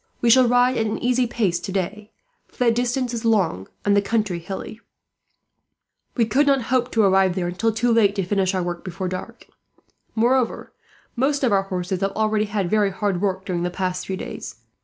"We shall ride at an easy pace today, for the distance is long and the country hilly. We could not hope to arrive there until too late to finish our work before dark. Moreover, most of our horses have already had very hard work during the past few days.